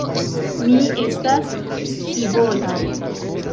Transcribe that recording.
Mi estas scivola.